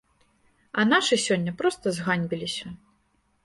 А нашы сёння проста зганьбіліся.